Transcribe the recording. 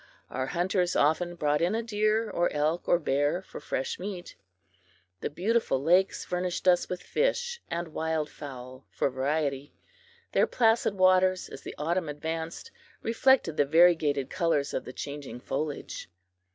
Our hunters often brought in a deer or elk or bear for fresh meat. The beautiful lakes furnished us with fish and wild fowl for variety. Their placid waters, as the autumn advanced, reflected the variegated colors of the changing foliage.